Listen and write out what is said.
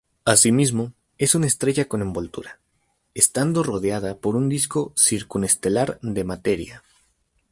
Asimismo, es una estrella con envoltura, estando rodeada por un disco circunestelar de materia.